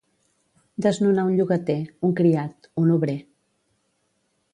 Desnonar un llogater, un criat, un obrer.